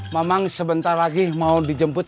memang sebentar lagi mau dijemput